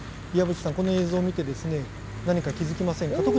岩渕さん、この映像を見て何か気付きませんか？